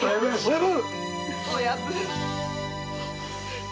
親分！